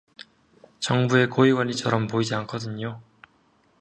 정부의 고위 관리처럼 보이지 않거든요.